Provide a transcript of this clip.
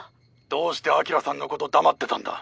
どうして晶さんのこと黙ってたんだ。